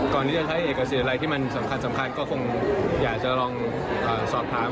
ก่อนที่จะใช้เอกสารอะไรที่มันสำคัญก็คงอยากจะลองสอบถาม